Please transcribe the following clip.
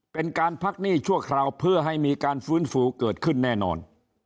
เป็นการพักหนี้ชั่วคราวเพื่อให้มีการฟื้นฟูเกิดขึ้นแน่นอน